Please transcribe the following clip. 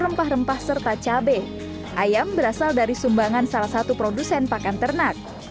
rempah rempah serta cabai ayam berasal dari sumbangan salah satu produsen pakan ternak